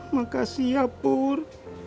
makasih ya pur